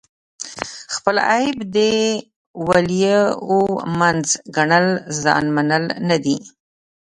خپل عیب د ولیو منځ ګڼل ځان منل نه دي.